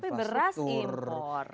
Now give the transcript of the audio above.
tapi beras impor